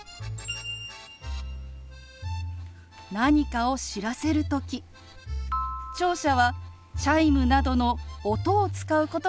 何かを知らせる時聴者はチャイムなどの音を使うことが多いですよね。